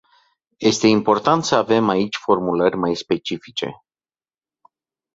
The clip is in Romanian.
Este importat să avem aici formulări mai specifice.